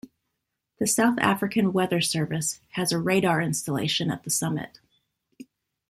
The South African Weather Service has a radar installation at the summit.